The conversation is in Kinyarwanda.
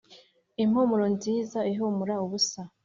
impumuro nziza ihumura ubusa.